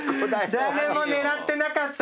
誰も狙ってなかった。